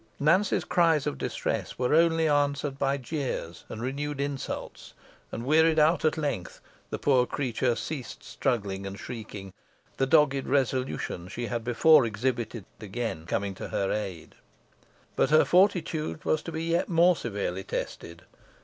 Nance's cries of distress were only answered by jeers, and renewed insults, and wearied out at length, the poor creature ceased struggling and shrieking, the dogged resolution she had before exhibited again coming to her aid. But her fortitude was to be yet more severely tested.